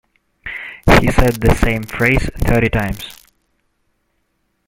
He said the same phrase thirty times.